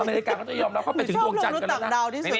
อเมริกาเขาต้องย้ำรับเขาไปจึงจุงดวงจันทร์นี้เลยนะ